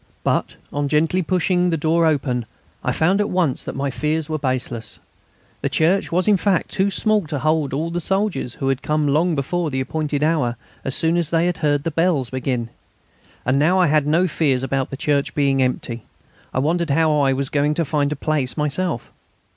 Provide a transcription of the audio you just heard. But on gently pushing the door open I found at once that my fears were baseless. The church was in fact too small to hold all the soldiers, who had come long before the appointed hour as soon as they heard the bells begin. And now that I had no fears about the church being empty I wondered how I was going to find a place myself.